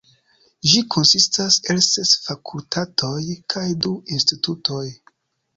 Ĝi konsistas el ses fakultatoj kaj du institutoj.